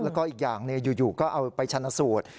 แล้วก็อีกอย่างอยู่ก็เอาไปชนะสูตร